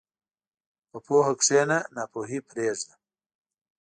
په پوهه کښېنه، ناپوهي پرېږده.